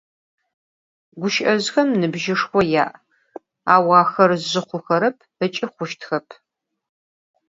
Guşı'ezjxem nıbjışşxo ya', au axer zjı huxerep ıç'i xhuştxep.